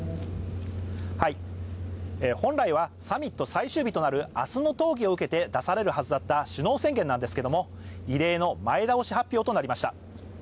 本来はサミット最終日となる明日の討議を受けて出されるはずだった首脳宣言なんですけど、異例の前倒し発表となりました。